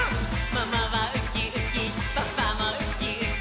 「ママはウキウキ」パパもウキウキ」